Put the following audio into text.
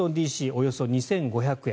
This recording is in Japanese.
およそ２５００円